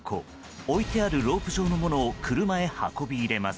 置いてあるロープ状のものを車へ運び入れます。